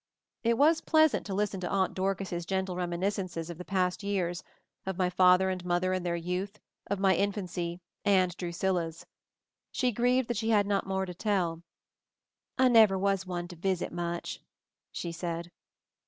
It was pleasant to listen to Aunt Dorcas's gentle reminiscences of the past years, of my father and mother in their youth, of my infancy, and Drusilla's. She grieved that she had not more to tell. "I never was one to visit much," she said.